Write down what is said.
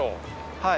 はい。